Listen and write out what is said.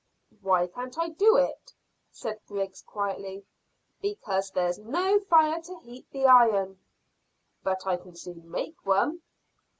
"Why can't I do it?" said Griggs quietly. "Because there's no fire to heat the iron." "But I can soon make one."